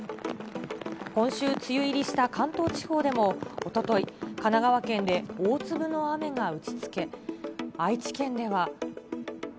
今週梅雨入りした関東地方でもおととい、神奈川県で大粒の雨が打ちつけ、愛知県では。